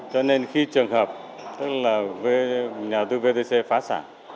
cho nên khi trường hợp tức là nhà đầu tư vtc phá sản